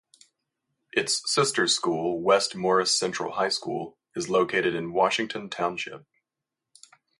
Its sister school, West Morris Central High School, is located in Washington Township.